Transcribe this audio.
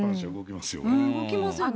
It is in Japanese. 動きますよね。